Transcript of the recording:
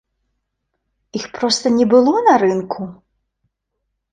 Іх проста не было на рынку!